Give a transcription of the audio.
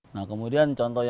nah kemudian contohnya